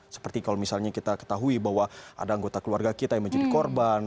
seperti kalau misalnya kita ketahui bahwa ada anggota keluarga kita yang menjadi korban